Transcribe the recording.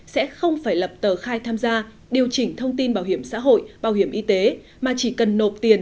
sẽ không phải lập tờ khai tham gia điều chỉnh thông tin bảo hiểm xã hội bảo hiểm y tế mà chỉ cần nộp tiền